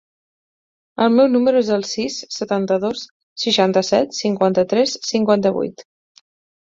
El meu número es el sis, setanta-dos, seixanta-set, cinquanta-tres, cinquanta-vuit.